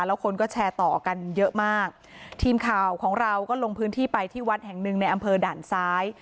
แล้วคนก็แชร์ต่อกันเยอะมากทีมข่าวของเราก็ลงพื้นที่ไปที่วัดแห่งหนึ่งในอำเภอด่านซ้าย